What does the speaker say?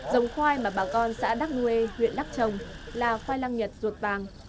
dòng khoai mà bà con xã đắk nguê huyện đắk trồng là khoai lang nhật vàng